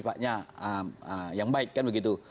sifatnya yang baik kan begitu